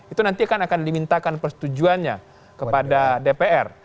itu nanti akan dimintakan persetujuannya kepada dpr